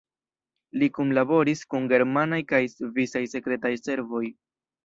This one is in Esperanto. Li kunlaboris kun germanaj kaj svisaj sekretaj servoj.